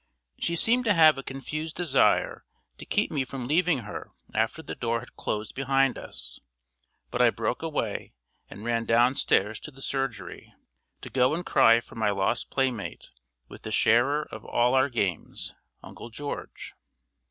She seemed to have a confused desire to keep me from leaving her after the door had closed behind us; but I broke away and ran downstairs to the surgery, to go and cry for my lost playmate with the sharer of all our games, Uncle George.